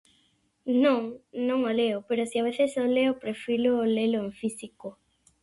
Non, non o leo, pero se a veces o leo prefiro lelo en físico.